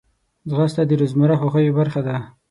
ځغاسته د روزمره خوښیو برخه ده